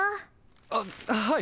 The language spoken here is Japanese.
あっはい。